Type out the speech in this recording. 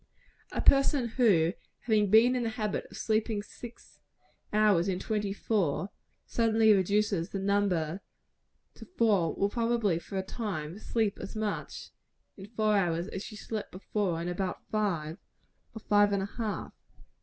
A person who, having been in the habit of sleeping six hours in twenty four, suddenly reduces the number to four, will, probably, for a time, sleep as much in four hours as she slept before in about five, or five and a half.